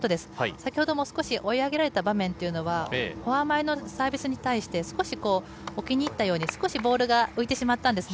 先ほどももう少し追い上げられた場面というのはフォア前のサービスに対して少し置きに入ったようにボールが浮いてしまったんです。